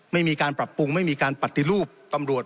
ไม่มีการปรับปรุงไม่มีการปฏิรูปตำรวจ